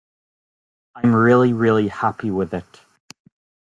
I'm really, really happy with it.